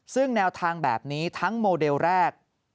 ซึ่งแนวทางแบบนี้ทั้งโมเดลแรก